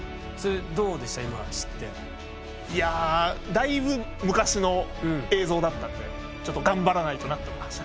だいぶ昔の映像だったんでちょっと頑張らないとなと思いましたね。